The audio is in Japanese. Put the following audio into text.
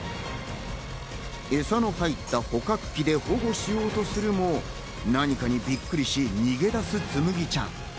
エサの入った捕獲器で保護しようとするも、何かにびっくりし、逃げ出すつむぎちゃん。